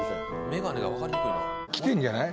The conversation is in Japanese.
眼鏡が分かりにくいな。